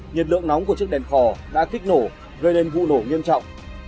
nhiệt lượng nóng của chiếc đèn phò đã kích nổ gây nên vụ nổ nghiêm trọng